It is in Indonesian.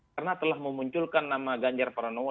karena telah memunculkan nama ganjar pranowo